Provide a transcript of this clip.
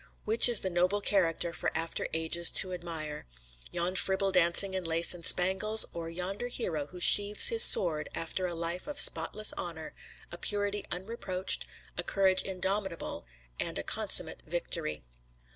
Which is the noble character for after ages to admire yon fribble dancing in lace and spangles, or yonder hero who sheathes his sword after a life of spotless honor, a purity unreproached, a courage indomitable and a consummate victory?"